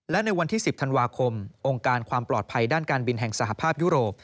และในวันที่๑๐ธันวาคมองค์การความปลอดภัยด้านการบินแห่งสหภาพยุโรป